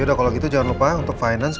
yaudah kalau gitu jangan lupa untuk finance